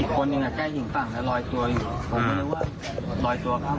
อีกคนติดสินฟั่งแต่รอยตรวงประเปอง